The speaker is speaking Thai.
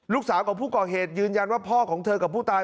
ลูกสาวของผู้ก่อเหตุยืนยันว่าพ่อของเธอกับผู้ตาย